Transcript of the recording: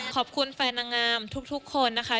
ขอบคุณแฟนนางงามทุกคนนะคะ